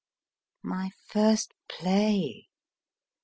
v My first play